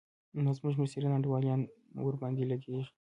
نو زموږ مستري انډيوالان ورباندې لګېږي.